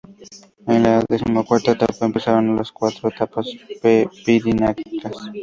En la decimocuarta etapa empezaron las cuatro etapas pirenaicas.